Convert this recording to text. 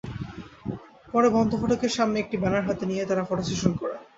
পরে বন্ধ ফটকের সামনে একটি ব্যানার হাতে নিয়ে তাঁরা ফটোসেশন করেন।